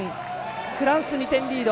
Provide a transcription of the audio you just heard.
フランス、２点リード。